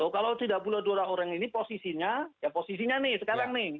kalau tidak boleh dua orang ini posisinya ya posisinya nih sekarang nih